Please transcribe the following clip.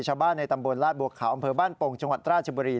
ชาวบ้านในตำบลลาดบัวขาวอำเภอบ้านโป่งจังหวัดราชบุรี